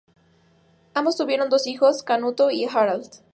Ambos tuvieron dos hijos: Canuto y Harald.